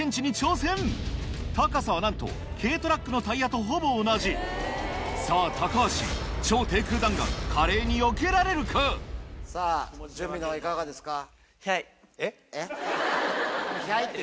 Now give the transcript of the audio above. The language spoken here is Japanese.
高さはなんと軽トラックのタイヤとほぼ同じさぁ橋超低空弾丸華麗に避けられるか⁉準備のほういかがですか？